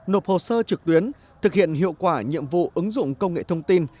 nộp hồ sơ trực tuyến thực hiện hiệu quả nhiệm vụ ứng dụng công nghệ thông tin